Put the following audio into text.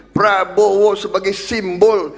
prabowo sebagai simbol